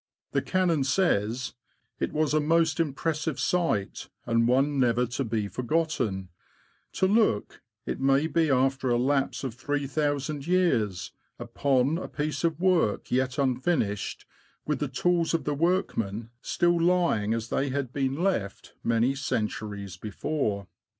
The Canon says : "It was a most impressive sight, and one never to be forgotten, to look, it may be after a lapse of 3000 years, upon a piece of work yet unfinished, with the tools of the workmen still lying as they had been left many centuries before.''